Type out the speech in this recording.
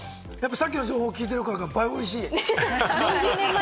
さっきの情報を聞いてるから、よりおいしい。